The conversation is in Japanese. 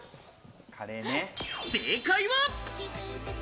正解は。